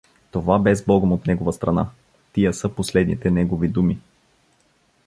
Това бе сбогом от негова страна… Тия са последните негови думи!